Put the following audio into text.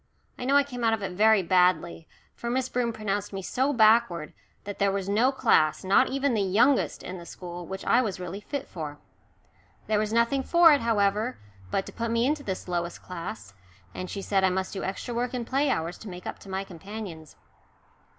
I know I came out of it very badly, for Miss Broom pronounced me so backward that there was no class, not even the youngest, in the school, which I was really fit for. There was nothing for it, however, but to put me into this lowest class, and she said I must do extra work in play hours to make up to my companions.